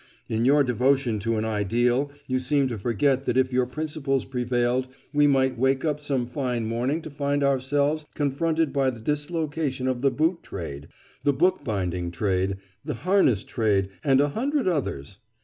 In your devotion to an ideal you seem to forget that if your principles prevailed, we might wake up some fine morning to find ourselves confronted by the dislocation of the boot trade, the bookbinding trade, the harness trade, and a hundred others.